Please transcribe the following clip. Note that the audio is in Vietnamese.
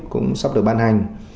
cũng sắp được ban hành